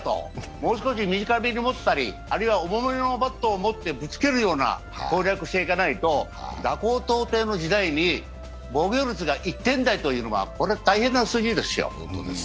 もう少し短めに持ったり、あるいは重めのバットを持ってぶつけるような攻略していかないと、打高投低の時代に防御率が１点台というのはこれ、大変な数字ですよ。